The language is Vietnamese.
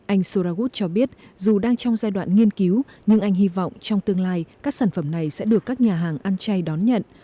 anh soragut cho biết dù đang trong giai đoạn nghiên cứu nhưng anh hy vọng trong tương lai các sản phẩm này sẽ được các nhà hàng ăn chay đón nhận